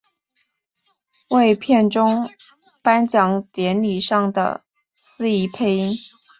为片中颁奖典礼上的司仪配音。